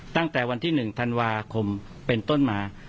ตั้งแต่วันที่๑ธันวาคมเป็นต้นมา